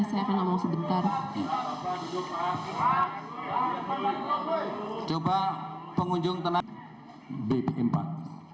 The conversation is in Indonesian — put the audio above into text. sesuai dengan tuntutan pasal dua ratus tiga puluh tiga